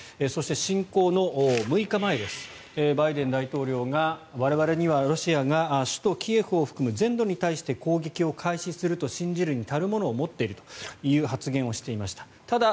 そして、侵攻の６日前バイデン大統領が我々にはロシアが首都キエフを含む全土に対して攻撃を開始すると信じるに足るものを持っているという発言をしていました。